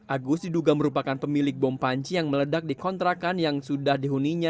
agus diduga merupakan pemilik bom panci yang meledak di kontrakan yang sudah dihuninya